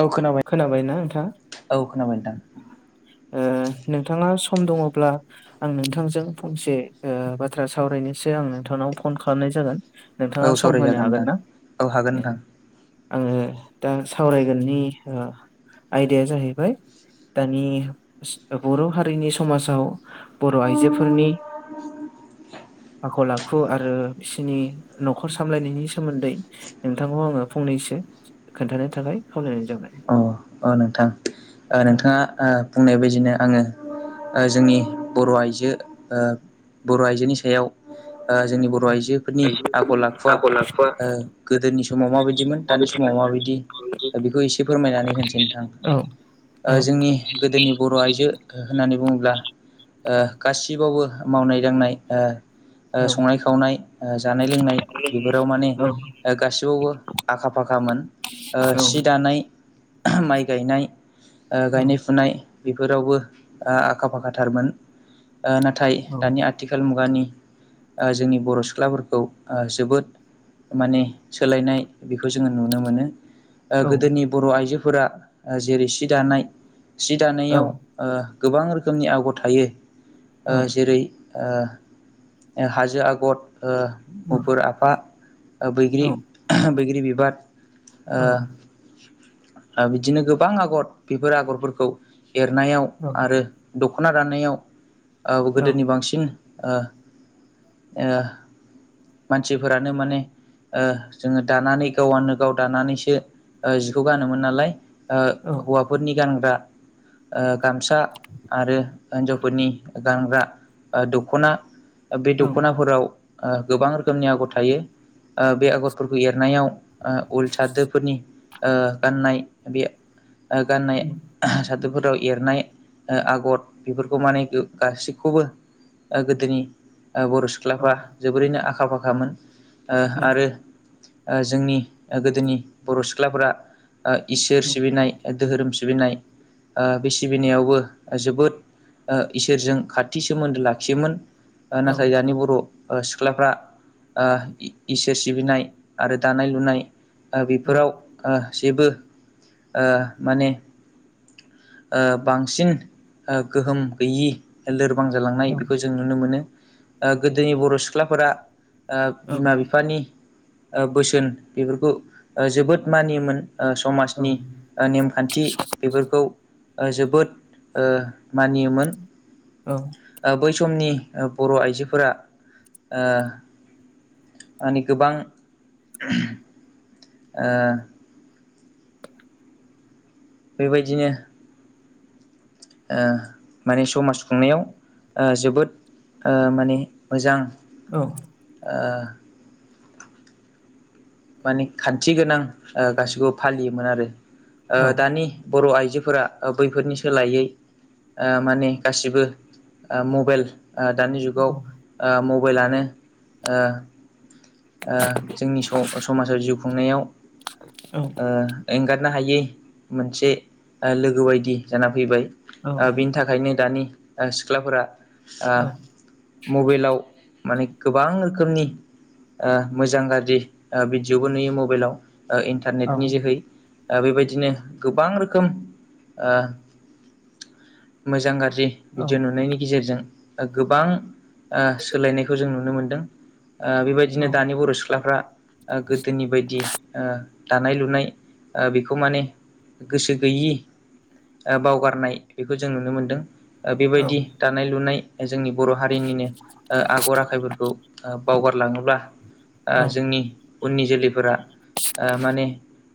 औ खोनाबाय खोनाबायना नोंथां औ खोनाबाय नोंथां। ओ नोंथाङा सम दङब्ला आं नोंथांजों फंसे ओ बाथ्रा सावरायनोसो आं नोंथांनाव फन खालामनाय जागोन। नोंथाङा औ सम होनो सावरायजागोन हागोन नोंथां ना औ हागोन ए नोंथां आङो दा सावरायगोननि ओ आयदाया जाहैबाय दानि बर' हारिनि समाजाव बर' आइजोफोरनि [unintelligible] आखल आखु आरो बिसिनि न'खर सामलायनायनि सोमोन्दै नोंथांखौ आङो फंनैसो खोन्थानो थाखाय खावलायनाय जाबाय। औ औ नोंथां नोंथाङा बुंनाय बायदिनो आङो जोंनि बर' आइजो बर' आइजोनि सायाव जोंनि बर' आइजोफोरनि आइजोफोरनि आखल आखुआ आखल आखुआ गोदोनि समाव गोदोनि माबायदिमोन दानि समाव माबायदिमोन माबायदि माबायदि बेखौ एसे फोरमायनानै होनोसैां औ ओ औ जोंनि गोदोनि बर' आइजो होननानै बुङोब्ला ओ गासिबावबो मावनाय दांनाय ओ औ ओ संनाय खावनाय ओ जानाय लोंनाय बेफोराव माने ओ गासिबावबो आखा फाखामोन ओ सि दानाय माइ गायनाय गायनाय फुनाय बेफोरावबो आखा फाखाथारमोन नाथाय दानि आथि आथिखाल मुगानि जोंनि बर' सिख्लाफोरखौ जोबोद माने सोलायनाय बेखौ जोङो नुनो मोनो गोदोनि बर' आइजोफोरा जेरै सि दानाय सि दानायाव गोबां रोखोमनि आगर थायो जेरै हाजो आगर उफुर आफा बैग्रि बैग्रि बिबार बिदिनो गोबां आगर बेफोर आगरफोरखौ एरनायाव आरो दख'ना दाननायाव गोदोनि बांसिन मानसिफोरानो माने जोङो दानानै गावआनो गाव दानानैसो जिखौ गानोमोन नालाय ओ हौवाफोरनि गानग्रा गामसा आरो हिन्जावफोरनि गानग्रा दख'ना बे दख'नाफोराव गोबां रोखोमनि आगर थायो बे आगरफोरखौ एरनायाव उल सादोफोरनि गाननाय बे गाननाय सादोबफोराव एरनाय आगर बेफोरखौ माने गासैखौबो गोदोनि बर' सुबुं सिख्लाफा जोबोरैनो आखा फाखामोन आरो जोंनि गोदोनि बर' सिख्लाफोरा ओ इसोर सिबिनाय दधहोरोम सिबिनाय बे सिबिनायावबो जोबोद इसोरजों खाथि सोमोन्दो लाखियोमोन नाथाय दानि बर' सिख्लाफ्रा इसोर सिबिनाय आरो दानाय लुनाय बेफोराव जेबो माने बांसिन गोहोम गैयि लोरबां जालांनाय बेखौ जों नुनो मोनो गोदोनि बर' सिख्लाफोरा औ बिमा बिफा बिफानि बोसोन बेफोरखौ जोबोद मानियोमोन समाज नि नेमखान्थि बेफोरखौ जोबोद मानियोमोन औ बै समनि बर' आइजोफोरा मानि गोबां बेबायदिनो माने समाज खुंनायाव जोबोद माने मोजां औ ओ माने खान्थि गोनां गासिखौबो फालियोमोन आरो औ दानि बर' आइजोफोरा बैफोरनि सोलायै माने गासिबो मबाइल दानि जुगाव औ मबाइलानो जोंनि समाजाव जिउ खुंनायाव एंगारनो हायै मोनसे लोगो बायदि जाना फैबाय बिनि थाखायनो दानि सिख्लाफोरा ओ मबाइलाव माने गोबां रोखोमनि ओ मोजां गाज्रि भिडिअबो नुयो मबाइलाव ओ इन्टारनेटनि जोहै बेबायदिनो गोबां रोखोम मोजां गाज्रि भिडिअ' नुनायनि गेजेरजों गोबां सोलायनायखौ जों नुनो मोनदों ओ बेबायदिनो दानि बर' सिख्लाफ्रा गोदोनि बायदि ओ दानाय लुनाय बेखौ माने गोसो गैयि बावगारनाय बेखौ जों नुनो मोनदों बेबायदि दानाय लुनाय जोंनि बर' हारिनिनो आगर आखायफोरखौ बावगारलाङोब्ला जोंनि उननि जोलैफोरा माने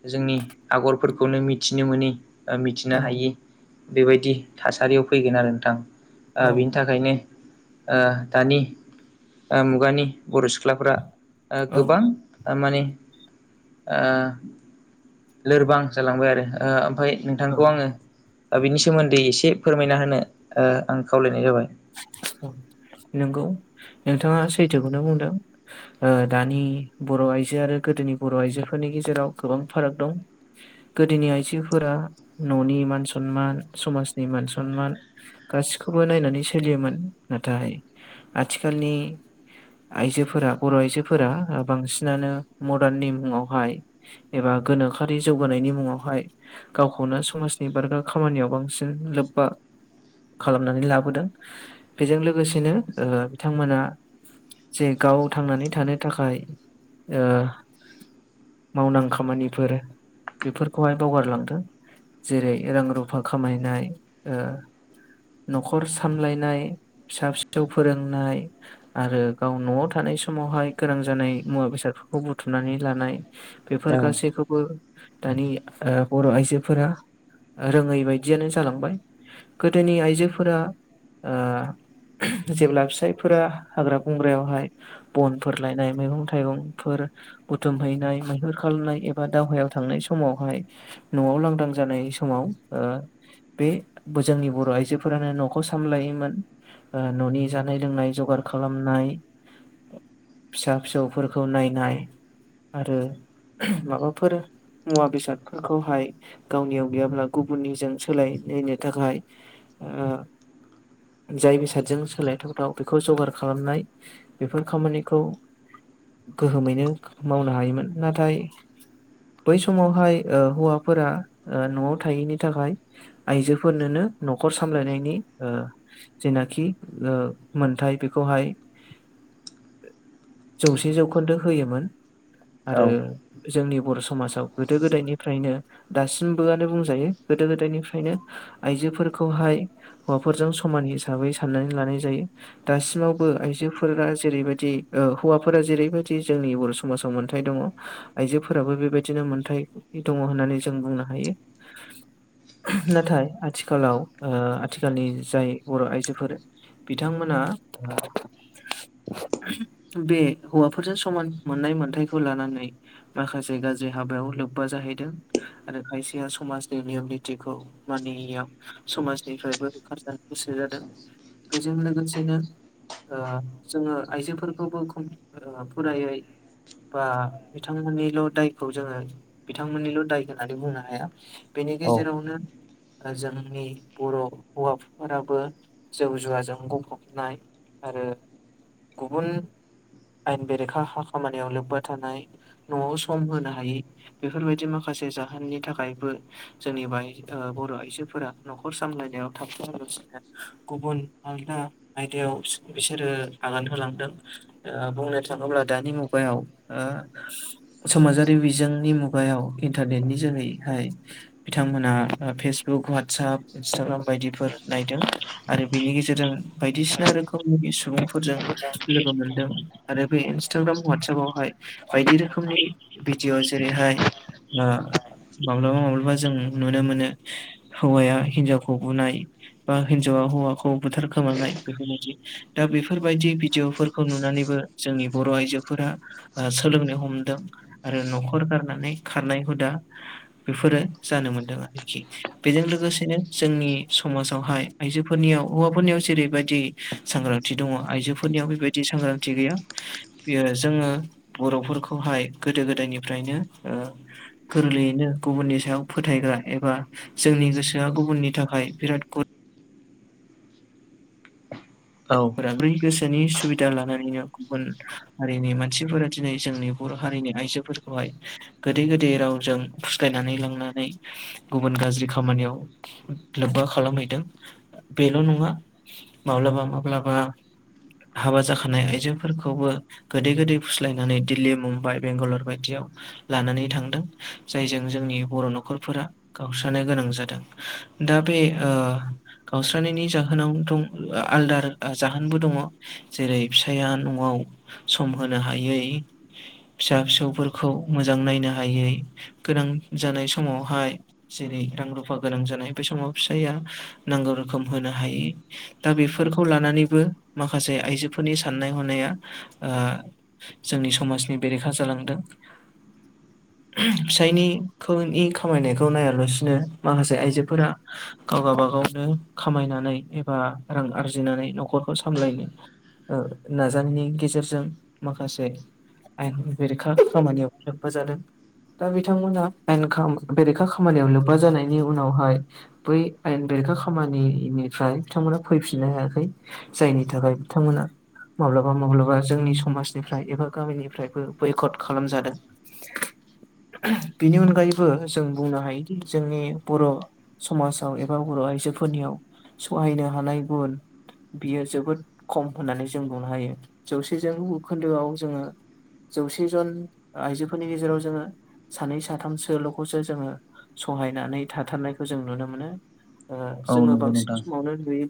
ओ जोंनि आगर फोरखौनो मिथिनो मोनो मिथिनो हायि बेबायदि थासारियाव फैगोन आरो नोंथां बिनि थाखायनो ओ दानि मुगानि बर' सिख्लाफ्रा गोबां माने ओ लोरबां जालांबाय आरो ओमफ्राय नोंथांखौ आङो बिनि सोमोन्दै एसे फोरमायना होनो आं खावलायनाय जाबाय नंगौ नोंथाङा सैथोखौनो बुंदों दानि बर' आइजो आरो गोदोनि बर' आइजोफोरनि गेजेराव गोबां फाराग दं गोदोनि आइजोफोरा न'नि मान सनमान समाजनि मान सनमान गासिखौबो नायनानै सोलियोमोन नाथाय आथिखालनि आइजोफोरा बर' आइजोफोरा बांसिनानो मदार्न नि मुङावहाय एबा गोनोखोरि जौगानायनि मुङावहाय गावखौनो समाजनि बारगा खामानियाव बांसिन लोब्बा खालामनानै लाबोदों बेजों लोगोसेनो बिथांमोना जे गाव थांनानै थानो थाखाय मावनां खामानिफोर बेफोरखौहाय बावगारलांदों जेरै रां रुफा खामायनाय न'खर सामलायनाय फिसा फिसौ फोरोंनाय आरो गाव न'आव थानाय समावहाय गोनां जानाय मुवा बेसादफोरखौ बुथुमनानै लानाय औ बेफोर गासैखौबो दानि बर' आइजोफोरा रोङै बायदियानो जालांबाय गोदोनि आइजोफोरा ओ जेब्ला फिसायफोरा हाग्रा बंग्रायावहाय बनफोर लायनाय मैगं थाइगंफोर बुथुम हैैनाय मैहुर खालामनाय एबा दावहायाव थांनाय समावहाय न'आव लांदां जानाय समाव ओ बे जोंनि बर' आइजोफोरानो न'खौ सामलायोमोन न'नि जानाय लोंनाय जगार खालामनाय फिसा फिसौफोरखौ नायनाय आरो माबाफोर मुवा बेसादफोरखौहाय गावनियाव गैयाब्ला गुबुननिजों सोलायलायनो थाखाय ओ जाय बेसादजों सोलायथावथाव बेखौ जगार खालामनाय बेफोर खामानिखौ गोहोमैनो मावनो हायोमोन नाथाय बै समावहाय हौवाफोरा न'आव थायैनि थाखाय आइजोफोरनोनो न'खर सामलायनायनि जेनाखि मोनथाय बेखौहाय जौसे जौखोन्दो होयोमोन औ आरो जोंनि बर' समाजाव गोदो गोदायनिफ्रायनो दासिमबोआनो बुंजायो गोदो गोदायनिफ्रायनो आइजोफोरखौहाय हौवाफोरजों समान हिसाबै साननानै लानाय जायो। दासिमावबो आइजोफोरा जेरैबायदि ओ हौवाफोरा जेरैबायदि जोंनि बर' समाजाव मोन्थाय दङ। आइजोफोराबो बेबायदिनो मोनथाय दङ होननानै जों बुंनो हायो। नाथाय आथिखालाव आथिखालनि जाय बर' आइजोफोर बिथांमोना बे हौवाफोरजों समान मोननाय मोनथायखौ लानानै माखासे गाज्रि हाबायाव लोब्बा जाहैदों। आरो खायसेया समाजनि नियम निथिखौ मानियैयाव समाज निफ्रायबो होखारजानो गोसो जादों बेजों लोगोसेनो ओ जोङो आइजोफोरखौबोम फुरायै बा बिथांमोननिल' दायखौ जोङो बिथांमोननिल' दाय होननानै बुंनो हाया। बेनि गेजेरावनो जोंनि बर' हौवाफोराबो जौ जुवाजों गफबनाय आरो गुबुन आयेन बेरेखा हा खामानियाव लोब्बा थानाय न'आव सम होनो हायै बेफोरबायदि माखासे जाहोननि थाखायबो जोंनि बाय बर' आइजोफोरा न'खर सामलायनायाव थाबथलासिनो गुबुन आलदा आयदायाव बिसोरो आगान होलांदों। ओ बुंनो थाङोब्ला दानि मुगायाव ओ समाजारि बिजोंनि मुगायाव इन्टारनेटनि जोहैहाय बिथांमोना फेसबुक वाटसाप इन्सटाग्राम बायदिफोर नायदों आरो बेनि गेजेरजों बायदिसिना रोखोमनि सुबुं फोरजों लोगो मोनदों आरो बे इन्सटाग्राम वाटसपावहाय बायदि रोखोमनि भिडिअ' जेरैहाय माब्लाबा माब्लाबा जों नुनो मोनो हौवाया हिन्जावखौ बुनाय बा हिन्जावा हौवाखौ बुथार खोमानाय बेफोरबायदि दा बेफोरबायदि भिडिअ'फोरखौ नुनानैबो जोंनि बर' आइजोफोरा सोलोंनो हमदों आरो न'खर गारनानै खारनाय हुदा बेफोरो जानो मोनदों आरोखि बेजों लोगोसेनो जोंनि समाजावहाय आइजोफोरनियाव हौवाफोरनियाव जेरैबायदि सांग्रांथि दङ आइजोफोरनियाव बेबायदि बिदि सांग्रांथि गैया बेयो जोङो बर'फोरखौहाय गोदो गोदायनिफ्रायनो गोरलैयैनो गुबुननि सायाव फोथायग्रा एबा जोंनि गोसोआ गुबुननि थाखाय बिराद औ साब्रै गोसोनि सुबिदा लानानैनो गुबुन हारिनि मानसिफोरा दिनै जोंनि बर' हारिनि आइजोफोरखौहाय गोदै गोदै रावजों फुस्लायनानै लांनानै गुबुन गाज्रि खामानियाव लोब्बा खालामहैदों। बेल नङा माब्ला माब्ला हाबा जाखानाय आइजोफोरखौबो गोदै गोदै फुस्लायनानै दिल्ली मुम्बाइ बेंगालर बायदियाव लानानै थांदों जायजों जोंनि बर' न'खरफोरा गावस्रानो गोनां जादों दा बे गावस्रानायनि जाहोनाव दं आलदा आरो जाहोनबो दङ जेरै फिसाया न'आव सम होनो हायै फिसा फिसौफोरखौ मोजां नायनो हायै गोनां जानाय समावहाय जेरै रां रुफा गोनां जानाय बे समाव फिसाया नांगौ रोखोम होनो हायो दा बेफोरखौ लानानैबो माखासे आइजोफोरनि साननाय हनाया जोंनि समाजनि बेरेखा जालांदों फिसायनिखौ इ खामायनायखौ नायालासिनो माखासे आइजोफोरा गाव गाबागावनो खामायनानै एबा रां आरजिनानै न'खरखौ सामलायनो नाजानायनि गेजेरजों माखासे आयेननि बेरेखा खामानियावबो लोब्बा जादों दा बिथांमोना आयेन बेरेखा खामानियाव लोब्बा जानायनि उनावहाय बै आयेन बेरेखा खामानिनिफ्राय बिथांमोना फैफिन खिनो हायाखै जायनि थाखाय बिथांमोना माब्लाबा माब्लाबा जोंनि समाजनिफ्राय एबा गामिनिफ्रायबो बयखद खालामजादों। बेनि अनगायैबो जों बुंनो हायोदि जोंनि बर' समाजाव एबा बर' आइजोफोरनियाव सहायनो हानाय गुन बियो जोबोद खम होननानै जों बुंुनो हायो जौसेजों बौखोन्दोआव जोङो जौसे जन आइजोफोरनि गेजेराव जोङो सानै साथामसोल'खौसो जोङो सहायनानै थाथारनायखौ जों नुनो मोनो औ जोङो नंगौ नोंथां बांसिन समावनो बि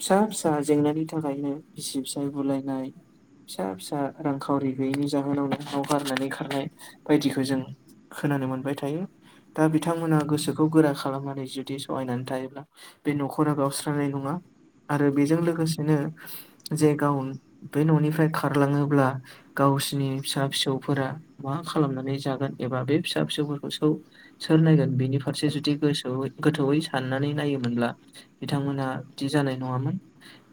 फिसा फिसा जेंनानि थाखायनो बिसि फिसाय बुलायनाय फिसा फिसा रांखावरि गैयिनि जाहोनावनो नाव गारनानै खारनाय बायदिखौ जों खोनानो मोनबाय थायो दा बिथांमोना गोसोखौ गोरा खालामनानै जुदि सहायनानै थायोब्ला बे न'खर खरा गावस्रनाय नङा आरो बेजों लोगोसेनो जे गाव बे न'निफ्राय खारलाङोब्ला गावसिनि फिसा फिसौफोरा मा खालामनानै जागोन एबा बे फिसा फिसौफोरखौसो सोर नायगोन बिनि फारसे जुदि गोसो गोथौयै साननानै नायोमोनब्ला बिथांमोना बिदि जानाय नङामोन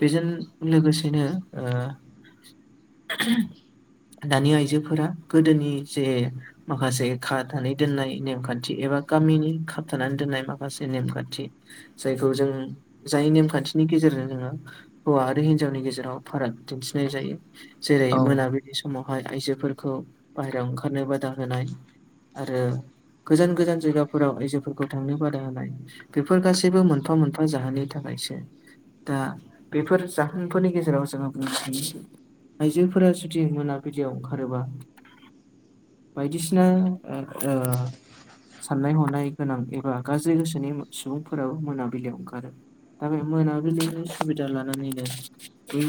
बेजों लोगोसेनो ओ [unintelligible] दानि आइजोफोरा गोदोनि जे माखासे खानानै दोननाय नेमखान्थि एबा गामिनि खाबथानानै दोननाय माखासे नेमखान्थि जायखौ जों जाय नेमखान्थिनि गेजेरजों जोङो हौवा आरो हिन्जावनि गेजेराव फाराग दिन्थिनाय जायो जेरै औ मोनाबिलि समावहाय आइजोफोरखौ बाहेरायाव ओंखारनो बादा होनाय आरो गोजान गोजान जायगाफोराव आइजोफोरखौ थांनो बादा होनाय बेफोर गासैबो मोन मोनफा मोनफा जाहोननि थाखायसो दा बेफोर जाहोनफोरनि गेजेराव जोङो बुंनो सानोसै आइजोफोरा जुदि मोनाबिलियाव ओंखारोबा बायदिसिना उम ओ साननाय हनाय गोनां एबा गाज्रि गोसोनि सुबुंफोराबो मोनाबिलियाव ओंखारो दा बे मोनाबिलिनि सुबिदा लानानैनो बै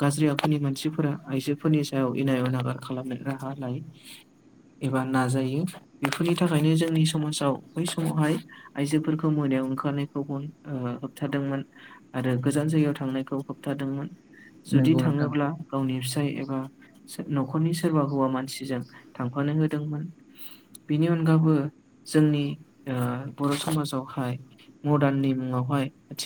गाज्रि आखुनि मानसिफोरा आइजोफोरनि सायाव इनाय अनागार खालामनाय राहा लायो एबा नाजायो बेफोरनि थाखायनो जोंनि समाजाव बै समावहाय आइजोफोरखौ मोनायाव ओंखारनायखौ बन ओ होबथादोंमोन आरो गोजान जायगायाव थांनायखौ होबथादोंमोन जुदि नंगौ नोंथां थाङोब्ला गावनि फिसाय एबा न'खरनि सोरबा हौवा मानसिजों थांफानो होदोंमोन बिनि अनगाबो जोंनि ओ बर' समाजावहाय मदार्ननि मुङावहाय थिग